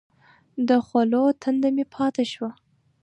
د خولو تنده مې ماته شوه.